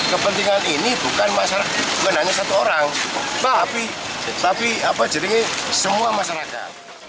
kepentingan ini bukan hanya satu orang tapi jering semua masyarakat